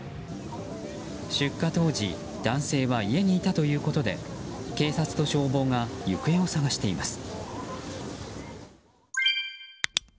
出火当時、男性は家にいたということで警察と消防が行方を捜しています。